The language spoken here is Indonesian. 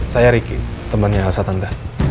saya riki temannya asat tante